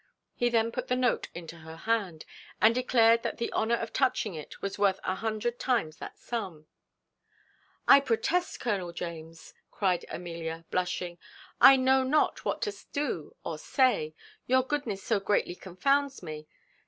He then put the note into her hand, and declared that the honour of touching it was worth a hundred times that sum. "I protest, Colonel James," cried Amelia, blushing, "I know not what to do or say, your goodness so greatly confounds me.